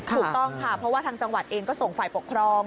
ถูกต้องค่ะเพราะว่าทางจังหวัดเองก็ส่งฝ่ายปกครอง